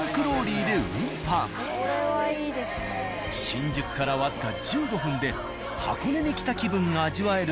新宿から僅か１５分で箱根に来た気分が味わえると大人気。